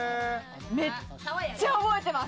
めっちゃ覚えてます。